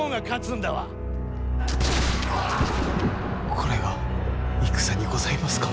これが戦にございますか？